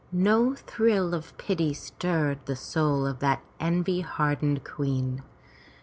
No thrill of pity stirred the soul of that envy hardened queen.